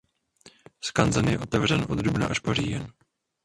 Skanzen je otevřen od dubna až po říjen.